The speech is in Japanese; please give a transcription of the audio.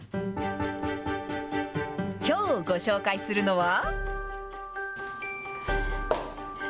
きょうご紹介するのは。